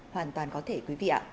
hoàn toàn có thể quý vị ạ